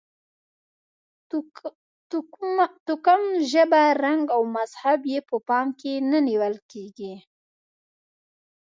توکم، ژبه، رنګ او مذهب یې په پام کې نه نیول کېږي.